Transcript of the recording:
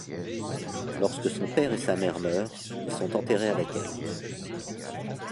Lorsque son père et sa mère meurent, ils sont enterrés avec elle.